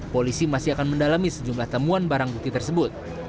polisi masih akan mendalami sejumlah temuan barang bukti tersebut